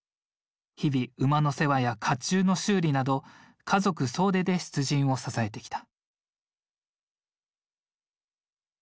日々馬の世話や甲冑の修理など家族総出で出陣を支えてきた。